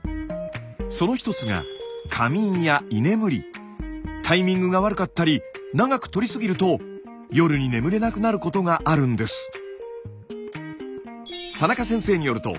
その一つがタイミングが悪かったり長くとりすぎると夜に眠れなくなることがあるんです。